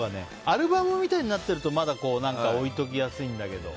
アルバムみたいになってるとまだ置いておきやすいんだけど。